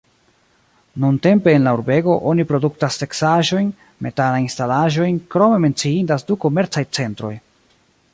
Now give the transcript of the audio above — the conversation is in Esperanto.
Nuntempe en la urbego oni produktas teksaĵojn, metalajn instalaĵojn, krome menciindas du komercaj centroj.